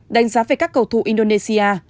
đánh giá về các cầu thủ indonesia